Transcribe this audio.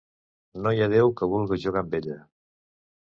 No hi ha déu que vulga jugar amb ella...